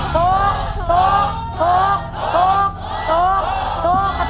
ทุกข์ทุกข์ทุกข์ทุกข์ทุกข์ทุกข์ทุกข์